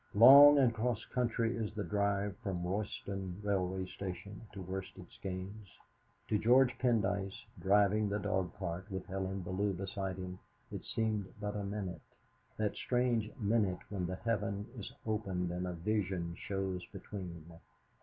Long and cross country is the drive from Royston Railway Station to Worsted Skeynes. To George Pendyce, driving the dog cart, with Helen Bellew beside him, it seemed but a minute that strange minute when the heaven is opened and a vision shows between.